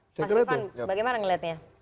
mas irfan bagaimana melihatnya